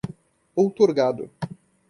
outorgado